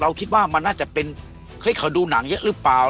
คิดว่ามันน่าจะเป็นเฮ้ยเขาดูหนังเยอะหรือเปล่า